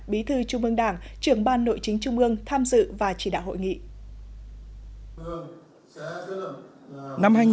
bí thư trung ương đảng trưởng ban nội chính trung ương tham dự và chỉ đạo hội nghị